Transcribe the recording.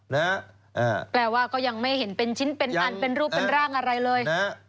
แปลว่าก็ยังไม่เห็นเป็นชิ้นเป็นอันเป็นรูปเป็นร่างอะไรเลยฮะ